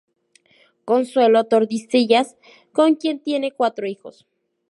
Consuelo Tordesillas con quien tiene cuatro hijos.